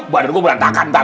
badan gua berantakan ntar